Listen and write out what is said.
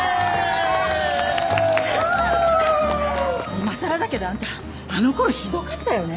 いまさらだけどあんたあのころひどかったよね。